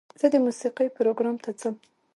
زه د موسیقۍ پروګرام ته ځم.